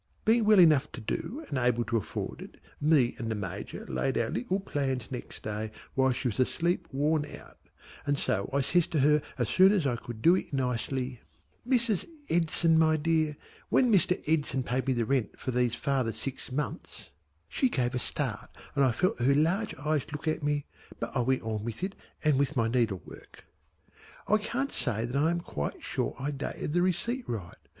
Being well enough to do and able to afford it, me and the Major laid our little plans next day while she was asleep worn out, and so I says to her as soon as I could do it nicely: "Mrs. Edson my dear, when Mr. Edson paid me the rent for these farther six months " She gave a start and I felt her large eyes look at me, but I went on with it and with my needlework. " I can't say that I am quite sure I dated the receipt right.